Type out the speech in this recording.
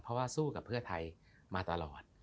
เพราะว่าสู้กับเพื่อไทยมาตลอด